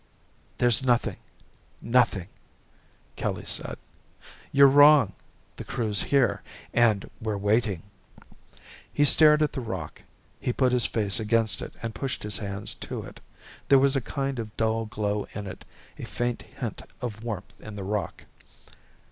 "There's nothing nothing " Kelly said. "You're wrong. The Crew's here and we're waiting." He stared at the rock. He put his face against it and pushed his hands to it. There was a kind of dull glow in it, a faint hint of warmth in the rock.